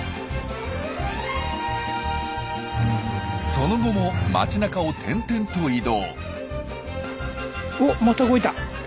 その後も街なかを転々と移動。